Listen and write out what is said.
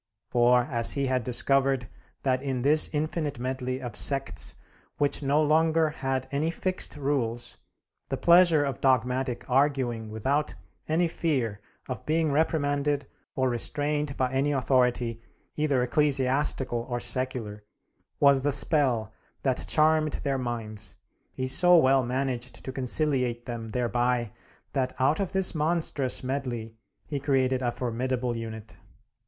For as he had discovered that in this infinite medley of sects, which no longer had any fixed rules, the pleasure of dogmatic arguing without any fear of being reprimanded or restrained by any authority, either ecclesiastical or secular, was the spell that charmed their minds, he so well managed to conciliate them thereby that out of this monstrous medley he created a formidable unit.